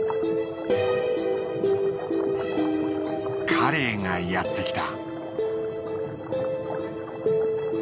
カレイがやってきた。